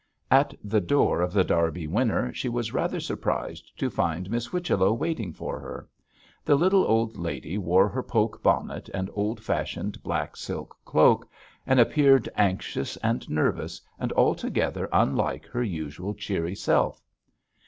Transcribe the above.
At the door of The Derby Winner she was rather surprised to find Miss Whichello waiting for her. The little old lady wore her poke bonnet and old fashioned black silk cloak, and appeared anxious and nervous, and altogether unlike her usual cheery self.